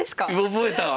覚えたわ。